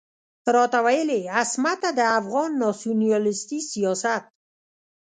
راته ويل يې عصمته د افغان ناسيوناليستي سياست.